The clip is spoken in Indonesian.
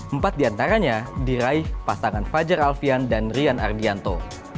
empat diantaranya diraih pasangan fajar alfian dan rian ardianto